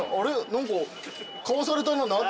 何か買わされたな何か。